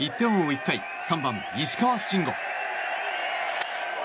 １回３番、石川慎吾。